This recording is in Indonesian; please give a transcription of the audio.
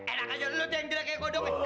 enak aja lu yang jelek kayak kodoknya